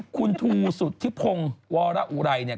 คุณทูสุธิพงวรอุรัยเนี่ย